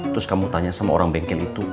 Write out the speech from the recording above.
terus kamu tanya sama orang bengkel itu